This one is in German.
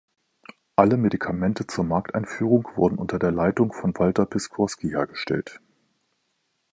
Alle Medikamente zur Markteinführung wurden unter der Leitung von Walter Piskorski hergestellt.